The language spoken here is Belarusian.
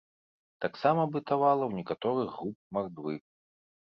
Таксама бытавала ў некаторых груп мардвы.